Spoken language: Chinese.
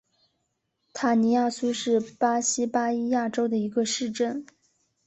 塔尼亚苏是巴西巴伊亚州的一个市镇。